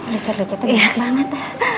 lucet lucetan enak banget